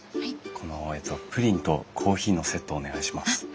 このプリンとコーヒーのセットをお願いします。